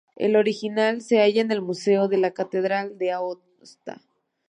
El original se halla en el museo de la catedral de Aosta.